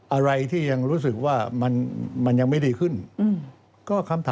อะไรที่ยังรู้สึกว่ามันยังไม่ดีขึ้น